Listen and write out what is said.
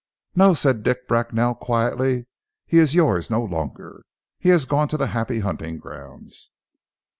"No," said Dick Bracknell quietly, "he is yours no longer! He has gone to the happy hunting grounds."